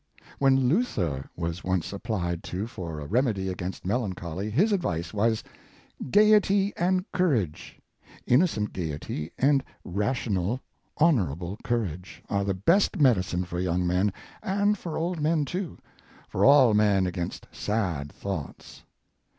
When Luther was once applied to for a remedy against melancholy, his advice was: " Gayety and courage — innocent gayety, and rational, honorable cour age— are the best medicine for young men, and for old men too; for all men against sad thoughts."